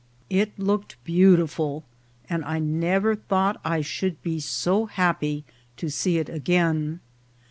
It looked beautiful, and I never thought I should be so happy to see it again.